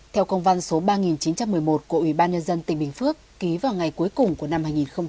theo công văn số ba nghìn chín trăm một mươi một của ủy ban nhân dân tỉnh bình phước ký vào ngày cuối cùng của năm hai nghìn một mươi chín